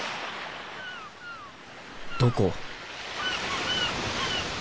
どこ？